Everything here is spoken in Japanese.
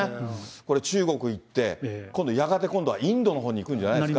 これ中国行って、今度、やがて今度はインドのほうに行くんじゃないですか。